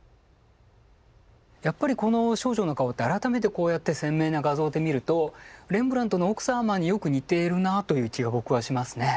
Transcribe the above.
やっぱりこの少女の顔を改めてこうやって鮮明な画像で見るとレンブラントの奥様によく似ているなという気が僕はしますね。